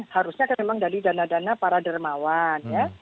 harusnya kan memang dari dana dana para dermawan ya